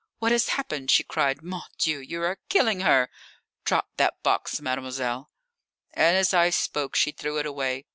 "What has happened?" she cried. "Mon Dieu! you are killing her!" "Drop that box, mademoiselle!" And as I spoke she threw it away.